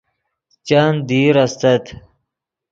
چند دیر استت